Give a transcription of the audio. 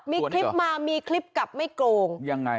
มีคลิปมามีคลิปกลับไม่โกงยังไง